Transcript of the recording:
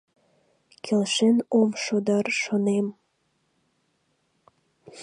Келшен ом шу дыр, шонем.